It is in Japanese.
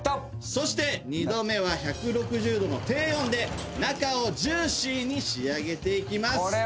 そして２度目は１６０℃の低温で中をジューシーに仕上げていきます。